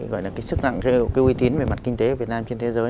gọi là cái sức nặng cái uy tín về mặt kinh tế của việt nam trên thế giới